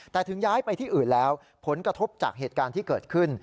แต่ถึงย้ายไปที่อื่นแล้วผลกระทบจากเหตุการณ์ที่เกิดขึ้น